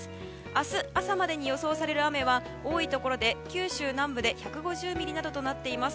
明日朝までに予想される雨は多いところで九州南部で１５０ミリなどとなっています。